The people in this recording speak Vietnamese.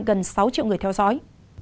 gần sáu triệu người theo dõi